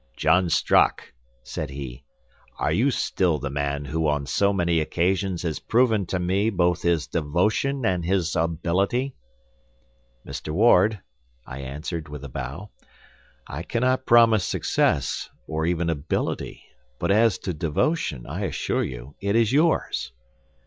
"John Strock," said he, "are you still the man who on so many occasions has proven to me both his devotion and his ability?" "Mr. Ward," I answered, with a bow, "I cannot promise success or even ability, but as to devotion, I assure you, it is yours."